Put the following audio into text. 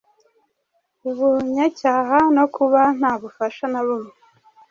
ubunyacyaha no kuba nta bufasha na bumwe.